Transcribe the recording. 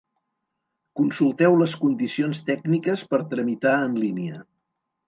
Consulteu les condicions tècniques per tramitar en línia.